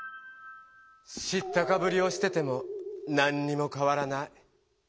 知ったかぶりをしてても何にもかわらない。